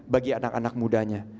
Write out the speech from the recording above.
bagi anak anak mudanya